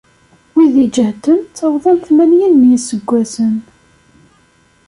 Wid iǧehden ttawḍen tmanyin n yiseggasen.